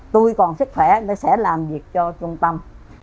tôi còn sức khỏe tôi sẽ làm việc cho trung tâm